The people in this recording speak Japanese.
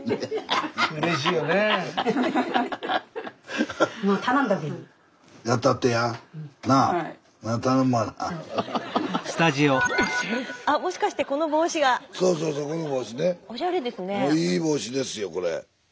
あいい帽子ですよこれ。